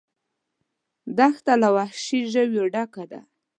دښته له وحشي ژویو ډکه ده.